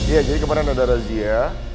iya jadi kemarin ada razia